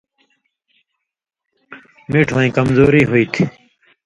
مِٹُھویں کمزوری ہُوئ تُھو